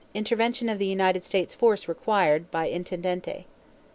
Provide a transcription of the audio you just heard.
Intervention of the United States force required, by intendente.